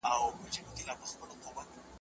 انټرنیټ د معلوماتو لویه زېرمه ده.